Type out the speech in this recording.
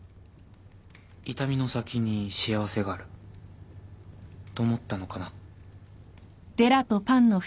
痛みの先に幸せがあると思ったのかな。